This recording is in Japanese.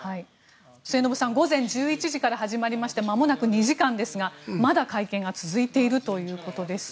末延さん、午前１１時から始まりましてまもなく２時間ですがまだ会見が続いているということです。